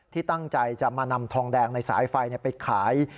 ที่ตั้งใจจะมานำทองแดงในสายไฟไปขาย